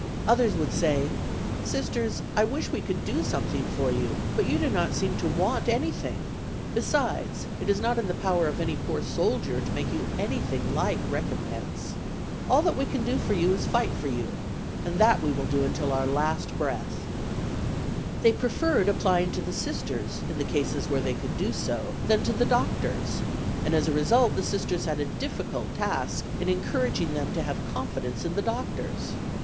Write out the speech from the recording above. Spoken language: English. Others would say: "Sisters, I wish we could do something for you, but you do not seem to want anything; besides, it is not in the power of any poor soldier to make you anything like recompense. All that we can do for you is to fight for you, and that we will do until our last breath." They preferred applying to the Sisters in cases where they could do so than to the doctors, and as a result the Sisters had a difficult task in encouraging them to have confidence in the doctors.